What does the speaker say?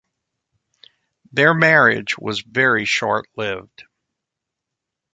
Their marriage was very short lived.